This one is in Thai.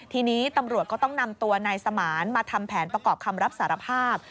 ทีนี้ตำรวจก็ต้องนำตัวนายสมานมาทำแผนประกอบคำรับสารภาพ